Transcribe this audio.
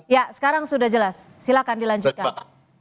ya sekarang sudah jelas silahkan dilanjutkan